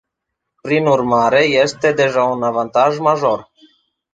Prin urmare, este deja un avantaj major.